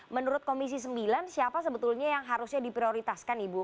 menurut komisi sembilan siapa sebetulnya yang harusnya diprioritaskan ibu